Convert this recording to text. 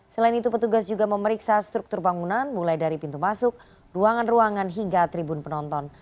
selain itu petugas juga memeriksa struktur bangunan mulai dari pintu masuk ruangan ruangan hingga tribun penonton